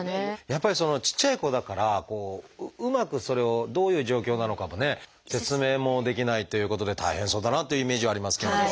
やっぱりちっちゃい子だからうまくそれをどういう状況なのかもね説明もできないということで大変そうだなというイメージはありますけれども。